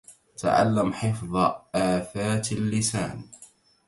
تعلم حفظ آفات اللسان